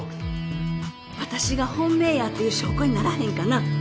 私が本命やっていう証拠にならへんかな？